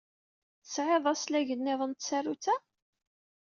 Tesɛiḍ aslag niḍen n tsarut-a?